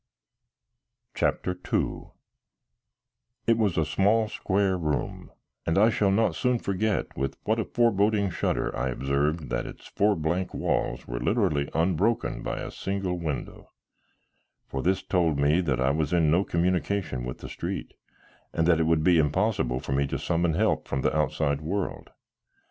CHAPTER II It was a small square room, and I shall not soon forget with what a foreboding shudder I observed that its four blank walls were literally unbroken by a single window, for this told me that I was in no communication with the street, and that it would be impossible for me to summon help from the outside world.